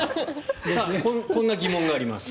こんな疑問があります。